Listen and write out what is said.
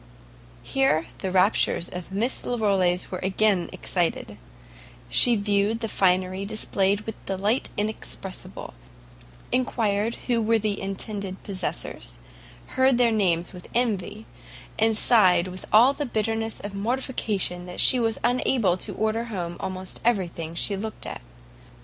Here the raptures of Miss Larolles were again excited: she viewed the finery displayed with delight inexpressible, enquired who were the intended possessors, heard their names with envy, and sighed with all the bitterness of mortification that she was unable to order home almost everything she looked at.